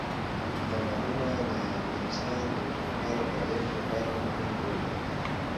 تالابونه د افغانستان د اوږدمهاله پایښت لپاره مهم رول لري.